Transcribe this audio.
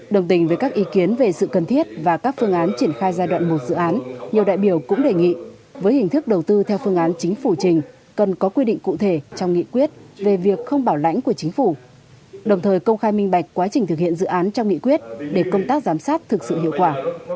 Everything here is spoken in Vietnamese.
đồng tình với các ý kiến về sự cần thiết và các phương án triển khai giai đoạn một dự án nhiều đại biểu cũng đề nghị với hình thức đầu tư theo phương án chính phủ trình cần có quy định cụ thể trong nghị quyết về việc không bảo lãnh của chính phủ đồng thời công khai minh bạch quá trình thực hiện dự án trong nghị quyết để công tác giám sát thực sự hiệu quả